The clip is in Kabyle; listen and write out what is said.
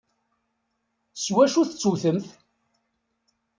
S wacu tettewtemt?